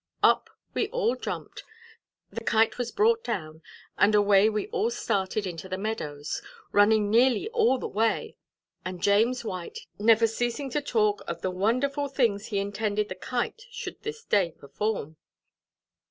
Up we all jumped, the Kite was brought down, and away we all started into the meadows, running nearly all the way, and James White never ceasing to talk of the wonderful things he intended the Kite should this day perform.